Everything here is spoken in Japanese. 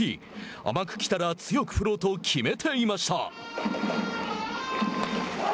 「甘く来たら強く振ろう」と決めていました。